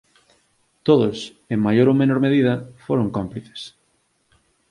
Todos, en maior ou menor medida, foron cómplices.